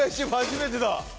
初めてだ！